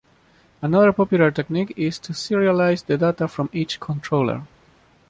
Another popular technique is to serialise the data from each controller.